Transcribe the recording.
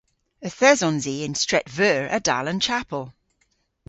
Yth esons i yn Stret Veur a-dal an chapel.